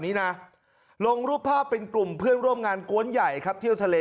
นี้นะลงรูปภาพเป็นกลุ่มเพื่อนร่วมงานกวนใหญ่ครับเที่ยวทะเล